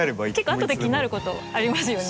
結構あとで気になることありますよね。